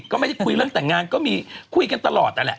ก็ไม่ได้คุยเรื่องแต่งงานคุยกันตลอดอ่ะ